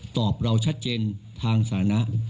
ตอบเราชัดเจนทางสานะ